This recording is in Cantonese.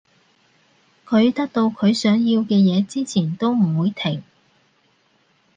佢得到佢想要嘅嘢之前都唔會停